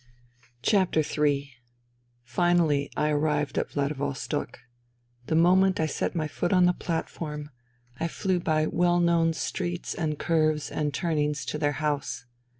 Ill Finally I arrived at Vladivostok. The moment I set my foot on the platform I flew by well known 288 FUTILITY streets and curves and turnings to their house.